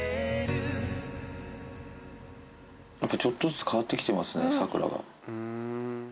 ちょっとずつ変わってきてますね、サクラが。